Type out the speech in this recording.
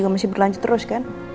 masih berlanjut terus kan